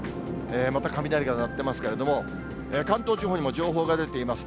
また雷が鳴ってますけれども、関東地方にも情報が出ています。